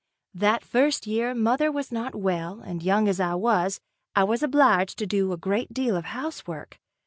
That first year mother was not well and young as I was, I was obliged to do a great deal of housework.